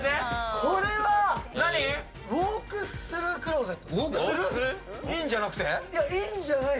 これはウォークスルークローゼット。